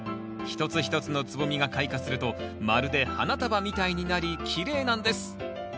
一つ一つの蕾が開花するとまるで花束みたいになりきれいなんです